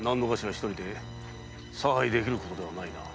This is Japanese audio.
一人で差配できることではないな。